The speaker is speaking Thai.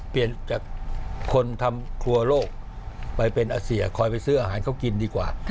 ไปเป็นอเซียขอไปซื้ออาหารเข้ากินดีกว่า